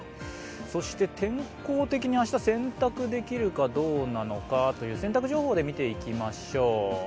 天候的に明日洗濯できるかどうなのか洗濯情報見ていきましょう。